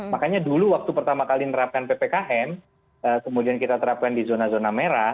makanya dulu waktu pertama kali menerapkan ppkm kemudian kita terapkan di zona zona merah